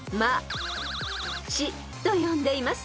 ［と呼んでいます］